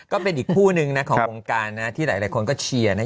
ก็เป็นอีกคู่นึงนะของวงการนะที่หลายคนก็เชียร์นะ